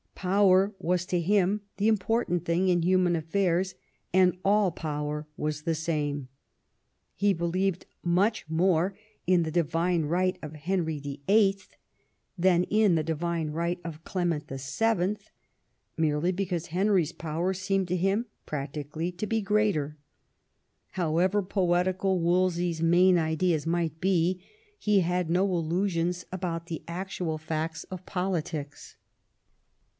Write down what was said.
Power was to him the important thing in human affairs, and all power was the same; he believed much more in the divine right of Henry VIIL than in the divine right of Clement VII. merely because Henry's power seemed to him practically to be greater. However poetical Wolsey's main ideas might be, he had no illusions about the actual facts of politics.